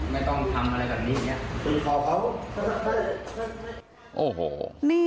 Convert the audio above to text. ไม่ต้องทำอะไรแบบนี้เนี่ย